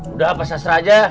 udah pas astra aja